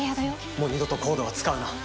「もう二度とＣＯＤＥは使うな」